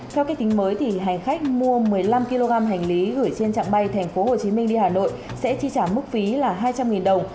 theo cách tính mới hành khách mua một mươi năm kg hành lý gửi trên trạng bay tp hcm đi hà nội sẽ chi trả mức phí là hai trăm linh đồng